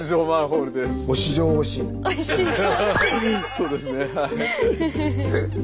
そうですね。